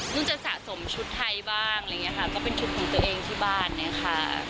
จะสะสมชุดไทยบ้างอะไรอย่างนี้ค่ะก็เป็นชุดของตัวเองที่บ้านเนี่ยค่ะ